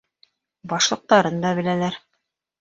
Башлыҡтарын да беләләр.